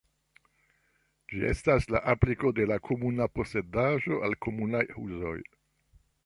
Ĝi estas la apliko de la komuna posedaĵo al komunaj uzoj.